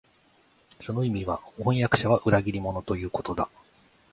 その意味は、飜訳者は裏切り者、ということだ